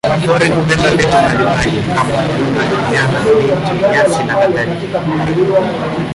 Pori hubeba vitu mbalimbali kama wadudu, wanyama, miti, nyasi nakadhalika.